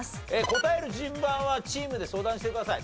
答える順番はチームで相談してください。